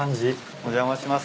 お邪魔します。